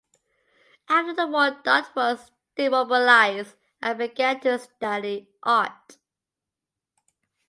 After the war Dodd was demobilised and began to study art.